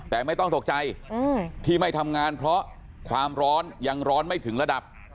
แต่ไม่ต้องตกใจที่ไม่ทำงานเพราะความร้อนยังร้อนไม่ถึงระดับ